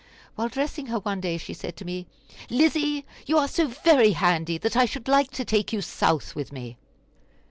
While dressing her one day, she said to me: "Lizzie, you are so very handy that I should like to take you South with me."